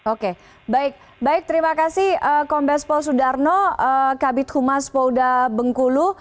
oke baik terima kasih kompes paul sudarno kabit humas pouda bengkulu